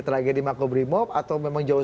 tragedi makobrimob atau memang jauh